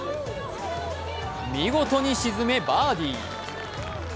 見事に沈め、バーディー。